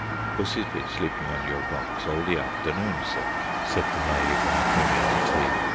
"Pussy's been sleepin' on your box all the afternoon, sir," said the maid when I came in to tea.